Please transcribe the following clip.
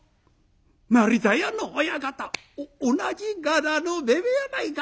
成田屋の親方同じ柄のべべやないか！」